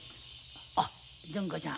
あっ純子ちゃん